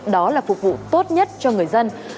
đó là phục vụ tốt nhất cho người dân